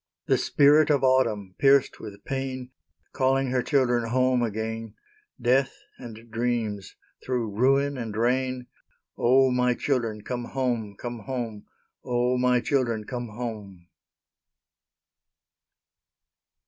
The Spirit of Autumn, pierced with pain, Calling her children home again, Death and Dreams, through ruin and rain, "O, my children, come home, come home! O, my children, come home!"